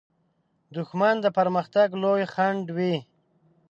دښمن د پرمختګ لوی خنډ وي